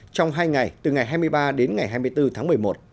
trong hai ngày từ ngày hai mươi ba đến ngày hai mươi bốn tháng một mươi một